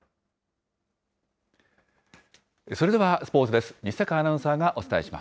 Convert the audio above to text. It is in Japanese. それではスポーツです。